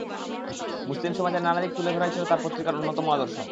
মুসলিম সমাজের নানা দিক তুলে ধরাই ছিল তাঁর পত্রিকার অন্যতম আদর্শ।